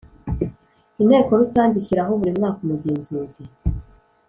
Inteko Rusange ishyiraho buri mwaka umugenzuzi